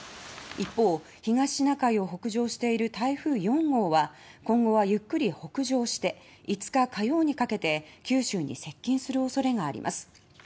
一方、東シナ海を北上している台風４号は今後は、ゆっくり北上して５日火曜日にかけて九州に接近する恐れがあります。